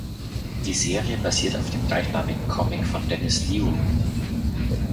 Die Serie basiert auf dem gleichnamigen Comic von Dennis Liu.